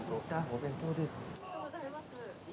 お弁当です。